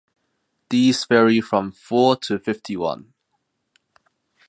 These vary from four to fifty one.